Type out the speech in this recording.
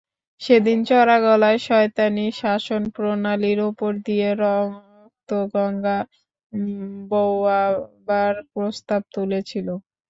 সেদিন চড়া গলায় শয়তানি শাসনপ্রণালীর উপর দিয়ে রক্তগঙ্গা বওয়াবার প্রস্তাব তুলেছিল।